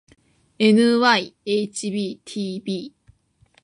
ｎｙｈｂｔｂ